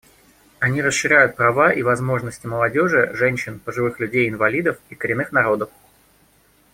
Они расширяют права и возможности молодежи, женщин, пожилых людей, инвалидов и коренных народов.